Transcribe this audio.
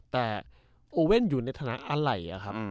แต่โอ้เว่นอยู่ในฐานะอาไหล่